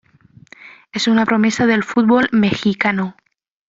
Es una promesa del fútbol mexicano.